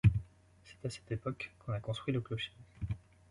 C'est à cette époque qu'on a construit le clocher.